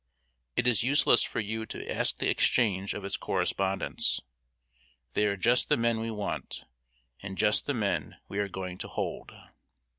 It is useless for you to ask the exchange of its correspondents. They are just the men we want, and just the men we are going to hold."